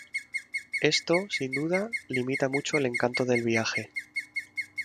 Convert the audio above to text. Esto, sin duda, limita mucho el encanto del viaje.